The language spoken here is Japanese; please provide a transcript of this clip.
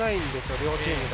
両チームが。